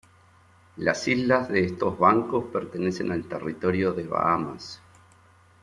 Las islas de estos bancos pertenecen al territorio de Bahamas.